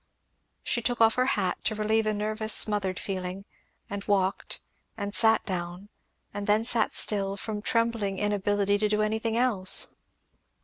She took off her hat, to relieve a nervous smothered feeling; and walked, and sat down; and then sat still, from trembling inability to do anything else.